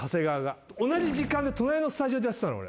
同じ時間で隣のスタジオでやってたの俺。